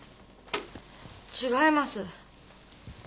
違います。